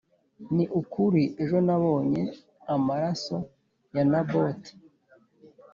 Ni ukuri ejo nabonye amaraso ya Naboti